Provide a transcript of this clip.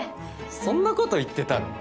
そんなこと言ってたの？